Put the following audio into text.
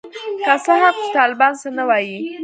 که څه هم چي طالبان څه نه وايي.